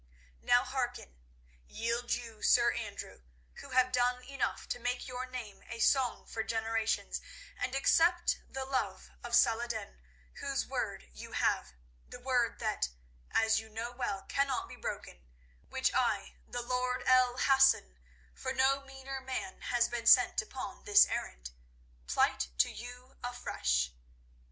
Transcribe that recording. "Now hearken. Yield you, Sir Andrew, who have done enough to make your name a song for generations, and accept the love of Salah ed din, whose word you have, the word that, as you know well, cannot be broken, which I, the lord El Hassan—for no meaner man has been sent upon this errand—plight to you afresh.